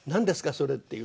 それっていう。